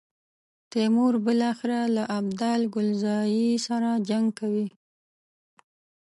تیمور بالاخره له ابدال کلزايي سره جنګ کوي.